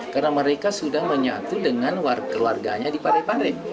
karena mereka sudah menyatu dengan keluarganya di parepare